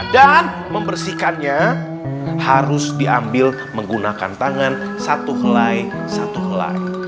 membersihkannya harus diambil menggunakan tangan satu helai satu helai